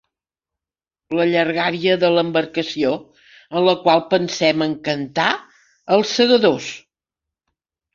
La llargària de l'embarcació en la qual pensem en cantar els Segadors.